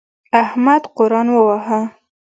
احمد قرآن وواهه.